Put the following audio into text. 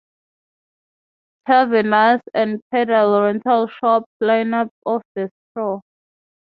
Tavernas and pedalo rental shops line part of the shore.